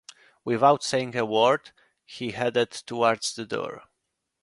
Without saying a word, he headed towards the door.